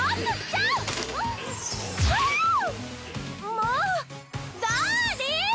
もうダーリン！